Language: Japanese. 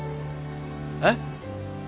えっ？